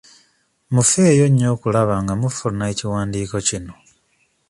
Mufeeyo nnyo okulaba nga mufuna ekiwandiiko kino.